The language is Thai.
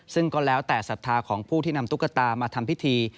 ซึ่งก็แล้วแต่ศรัทธาของผู้ที่นำตุ๊กตามาทำพิธี